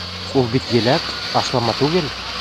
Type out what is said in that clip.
— Ул бит еләк, ашлама түгел.